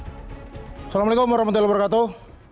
assalamualaikum warahmatullahi wabarakatuh